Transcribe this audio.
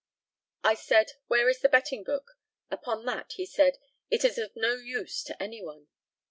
I said, "Where is the betting book?" Upon that he said, "It is of no use to anyone."